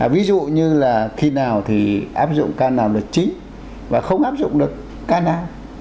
ví dụ như là khi nào thì áp dụng ca nào là chính và không áp dụng được ca nào